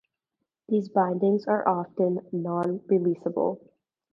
These bindings are often non-releasable.